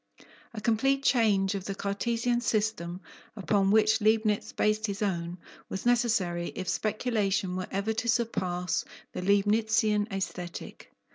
A complete change of the Cartesian system, upon which Leibnitz based his own, was necessary, if speculation were ever to surpass the Leibnitzian aesthetic.